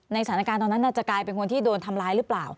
สถานการณ์ตอนนั้นน่าจะกลายเป็นคนที่โดนทำร้ายหรือเปล่า